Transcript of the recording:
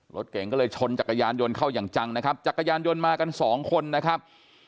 รถเก่งก็เลยชนจักรยานยนต์เข้าอย่างจังนะครับจักรยานยนต์มากันสองคนนะครับ